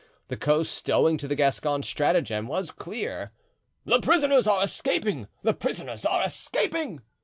The coast, owing to the Gascon's stratagem, was clear. "The prisoners are escaping! the prisoners are escaping!"